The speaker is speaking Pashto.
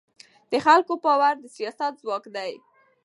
د خلکو باور د سیاست ځواک دی